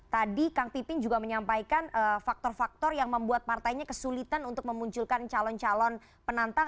tadi kang pipin juga menyampaikan faktor faktor yang membuat partainya kesulitan untuk memunculkan calon calon penantang